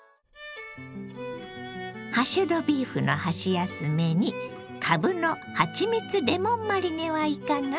ハッシュドビーフの箸休めにかぶのはちみつレモンマリネはいかが？